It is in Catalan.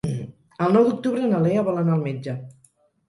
El nou d'octubre na Lea vol anar al metge.